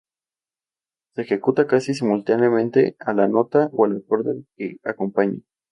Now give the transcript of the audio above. Se ejecuta casi simultáneamente a la nota o al acorde al que acompaña.